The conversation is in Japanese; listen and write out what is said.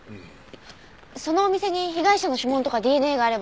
そのお店に被害者の指紋とかＤＮＡがあれば。